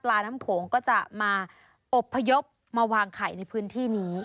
น้ำโขงก็จะมาอบพยพมาวางไข่ในพื้นที่นี้